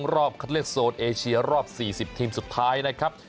รอบคัดเลือกโซนเอเชียรอบ๔๐ทีมสุดท้ายนะครับ